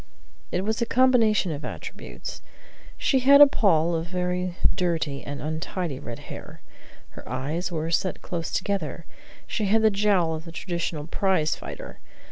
It was a combination of attributes. She had a poll of very dirty and untidy red hair; her eyes were set close together; she had the jowl of the traditional prize fighter.